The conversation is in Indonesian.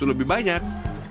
dan susu lebih banyak